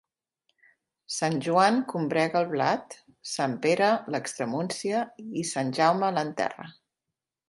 Sant Joan combrega el blat, Sant Pere l'extremuncia i Sant Jaume l'enterra.